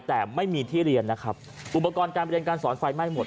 แต่ไม่มีที่เรียนนะครับอุปกรณ์การเรียนการสอนไฟไหม้หมด